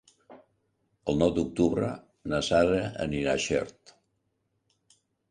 El nou d'octubre na Sara anirà a Xert.